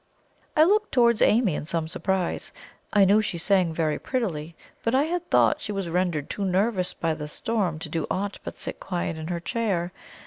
I looked towards Amy in some surprise. I knew she sang very prettily, but I had thought she was rendered too nervous by the storm to do aught but sit quiet in her chair.